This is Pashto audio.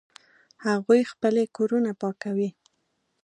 هغوی خپلې کورونه پاکوي